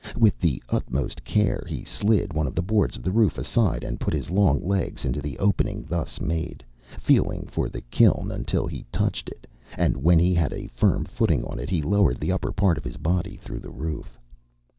With the utmost care he slid one of the boards of the roof aside and put his long legs into the opening thus made, feeling for the kiln until he touched it, and when he had a firm footing on it he lowered the upper part of his body through the roof.